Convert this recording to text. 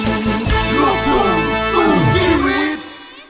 นี่และน้องน้องและน้อง